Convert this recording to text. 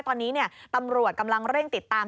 ตอนนี้ตำรวจกำลังเร่งติดตาม